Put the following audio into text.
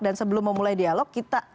dan sebelum memulai dialog